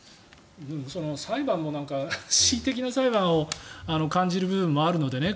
裁判もなんか恣意的な裁判を感じる部分もあるのでね。